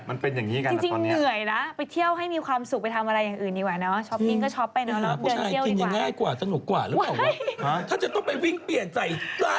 ดังควนนรอหาดีนะครับอย่ากูนั่นฟังป่าดเช็คอีกนะ